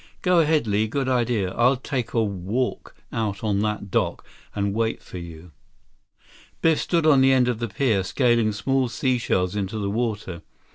"Go ahead, Li. Good idea. I'll take a walk out on that dock and wait for you." Biff stood on the end of the pier, scaling small sea shells into the water.